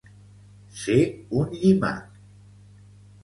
Ser un llimac.